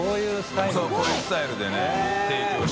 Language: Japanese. △こういうスタイルなんだね。